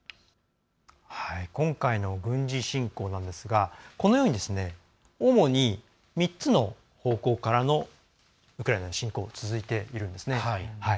今回の軍事侵攻なんですがこのように主に３つの方向からのウクライナの侵攻続いているんですね。